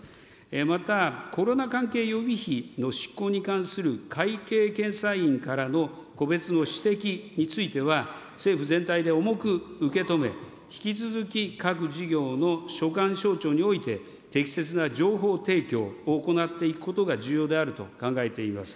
またコロナ関係予備費の執行に関する会計検査院からの個別の指摘については、政府全体で重く受け止め、引き続き各事業の所管省庁において、適切な情報提供を行っていくことが重要であると考えています。